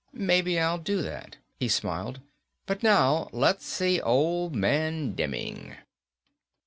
"Maybe I'll do that," he smiled. "But now, let's see Old Man Demming."